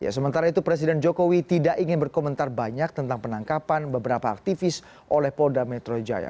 sementara itu presiden jokowi tidak ingin berkomentar banyak tentang penangkapan beberapa aktivis oleh polda metro jaya